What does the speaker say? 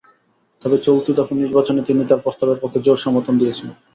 তবে চলতি দফা নির্বাচনে তিনি তাঁর প্রস্তাবের পক্ষে জোর সমর্থন দিয়েছেন।